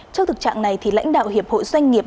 trước thực trạng này thì lãnh đạo hiệp hội doanh nghiệp